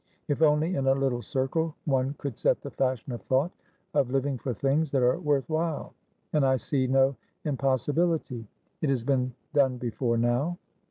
If only in a little circle one could set the fashion of thought, of living for things that are worth while! And I see no impossibility. It has been done before now."